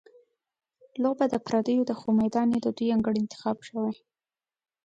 لوبه د پردیو ده، خو میدان یې د دوی انګړ انتخاب شوی.